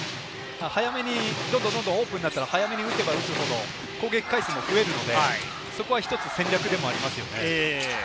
早めにどんどんオープンになったら早めに打てば打つほど攻撃回数も増えるので、それも１つ、戦略でもありますね。